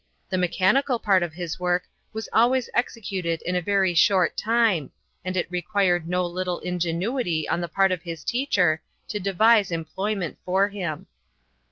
The mechanical part of his work was always executed in a very short time, and it required no little ingenuity on the part of his teacher to devise employment for him."